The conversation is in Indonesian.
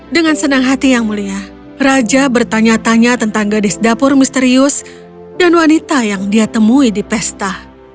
dengan senang hati yang mulia raja bertanya tanya tentang gadis dapur misterius dan wanita yang dia temui di pesta